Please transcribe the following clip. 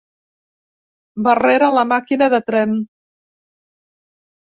Va rere la màquina de tren.